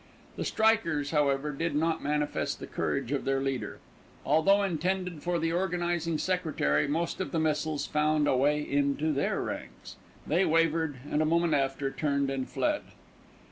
The strikers, however, did not manifest the courage of their leader. Although intended for the organising secretary, most of the missiles found a way into their ranks. They wavered and, a moment after, turned and fled.